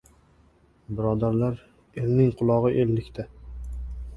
Birodarlar, elning qulog‘i ellikta!